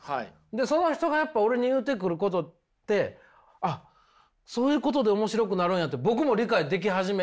その人がやっぱ俺に言ってくることってそういうことで面白くなるんやって僕も理解でき始めて。